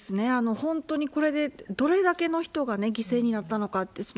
本当にこれでどれだけの人が犠牲になったのかって。